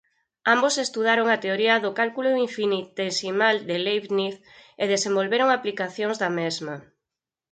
Ambos estudaron a teoría do cálculo infinitesimal de Leibniz e desenvolveron aplicacións da mesma.